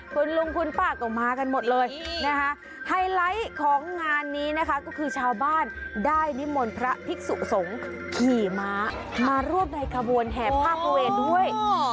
คุณลุงคุณป้าก็มากันหมดเลยนะคะไฮไลท์ของงานนี้นะคะก็คือชาวบ้านได้นิมนต์พระภิกษุสงฆ์ขี่ม้ามาร่วมในขบวนแห่ผ้าพระเวรด้วย